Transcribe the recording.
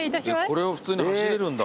これ普通に走れるんだ。